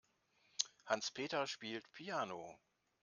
Hans-Peter spielt Piano.